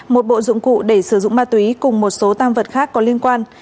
một bộ dụng cụ để sử dụng ma túy cùng một số tam vật khác có liên quan